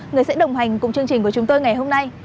người sẽ đồng hành cùng chương trình của chúng tôi ngày hôm nay